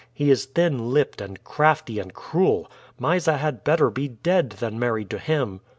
He is thin lipped and crafty and cruel. Mysa had better be dead than married to him."